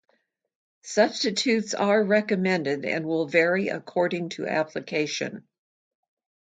Substitutes are recommended and will vary according to application.